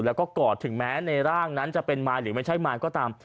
แล้วก็กอดถึงแม้ในร่างนั้นจะเป็นมายหรือไม่ใช่มายก็ตาม